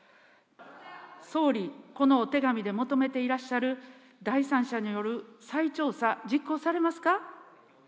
総理、このお手紙で求めていらっしゃる、第三者による再調査、実行されますか？